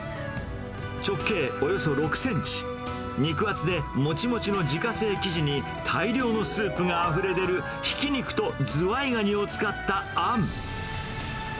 直径およそ６センチ、肉厚でもちもちの自家製生地に、大量のスープがあふれ出る、ひき肉とズワイガニを使ったあん。